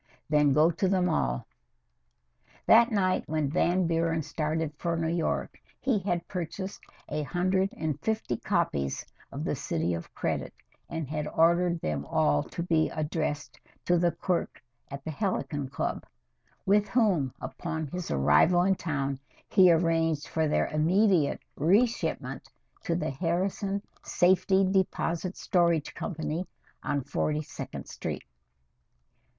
"Then go to them all," said Van Buren. That night when Van Buren started for New York he had purchased a hundred and fifty copies of "The City of Credit," and had ordered them all to be addressed to the clerk at the Helicon Club, with whom, upon his arrival in town, he arranged for their immediate reshipment to the Harrison Safety Deposit Storage Company on Forty second Street.